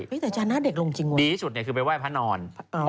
ดีที่สุดเนี่ยคือไปว่ายพระนอน